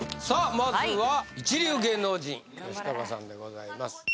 まずは一流芸能人吉高さんでございます